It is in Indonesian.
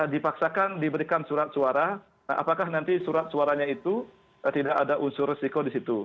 dipaksakan diberikan surat suara apakah nanti surat suaranya itu tidak ada unsur resiko di situ